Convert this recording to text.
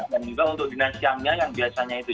dan juga untuk dinas siangnya yang biasanya itu